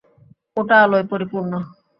ওটা আলোয় পরিপূর্ণ!